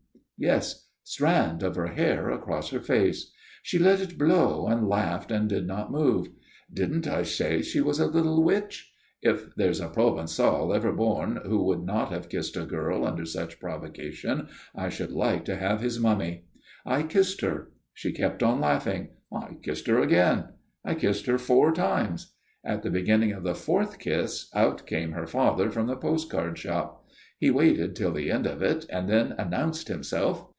"Yes strand of her hair across her face. She let it blow and laughed and did not move. Didn't I say she was a little witch? If there's a Provençal ever born who would not have kissed a girl under such provocation I should like to have his mummy. I kissed her. She kept on laughing. I kissed her again. I kissed her four times. At the beginning of the fourth kiss out came her father from the postcard shop. He waited till the end of it and then announced himself.